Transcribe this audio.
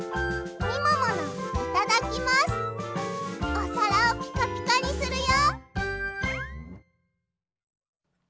おさらをピカピカにするよ！